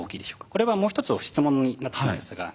これはもう一つ質問になってしまいますが。